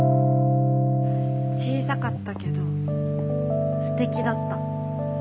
小さかったけどすてきだった。